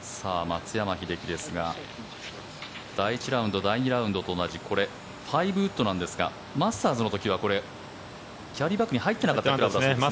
さあ、松山英樹ですが第１ラウンド、第２ラウンドと同じこれ、５ウッドなんですがマスターズの時はこれキャリーバッグに入ってなかったんですね。